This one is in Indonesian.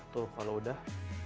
tuh kalau udah